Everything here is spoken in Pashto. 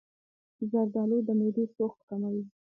زردآلو د معدې سوخت کموي.